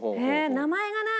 名前がなあ。